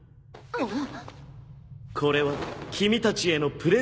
あっ。